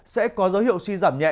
sẽ có dấu hiệu suy giảm nhẹ